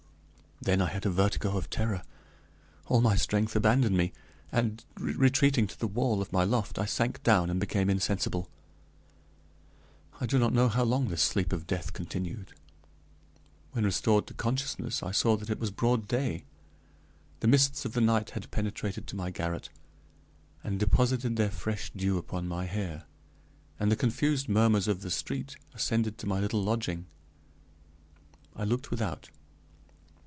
Then I had a vertigo of terror. All my strength abandoned me, and, retreating to the wall of my loft, I sank down and became insensible. I do not know how long this sleep of death continued. When restored to consciousness, I saw that it was broad day. The mists of the night had penetrated to my garret, and deposited their fresh dew upon my hair, and the confused murmurs of the street ascended to my little lodging. I looked without.